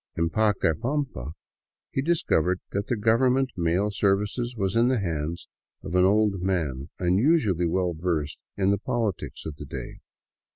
In Pacaipampa he discovered that the government mail service was in the hands of an old man unusually well versed in the politics of the day.